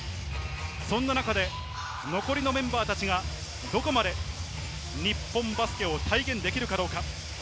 そんな中で、残りのメンバーたちがどこまで日本バスケを体現できるかどうか。